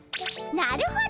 なるほど！